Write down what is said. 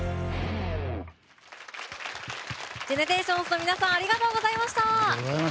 ＧＥＮＥＲＡＴＩＯＮＳの皆さんありがとうございました。